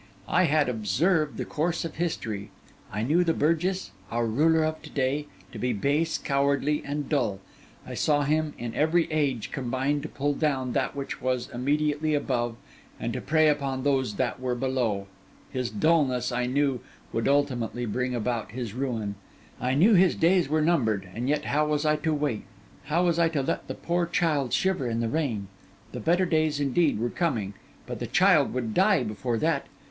I had observed the course of history; I knew the burgess, our ruler of to day, to be base, cowardly, and dull; I saw him, in every age, combine to pull down that which was immediately above and to prey upon those that were below; his dulness, I knew, would ultimately bring about his ruin; I knew his days were numbered, and yet how was I to wait? how was I to let the poor child shiver in the rain? The better days, indeed, were coming, but the child would die before that.